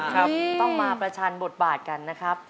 ครับต้องมาประชันบทบาทกันนะครับ